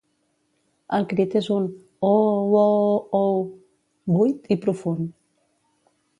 El crit és un "ooo-wooooo-ou" buit i profund.